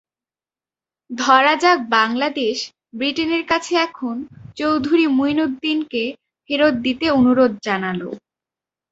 ধরা যাক, বাংলাদেশ ব্রিটেনের কাছে এখন চৌধুরী মুঈনুদ্দীনকে ফেরত দিতে অনুরোধ জানাল।